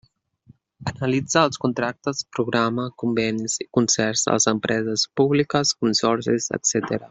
Analitza els contractes-programa, convenis i concerts de les empreses públiques, consorcis, etcètera.